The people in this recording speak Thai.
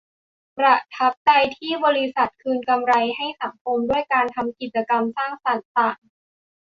ประทับใจที่บริษัทคืนกำไรให้สังคมด้วยการทำกิจกรรมสร้างสรรค์ต่าง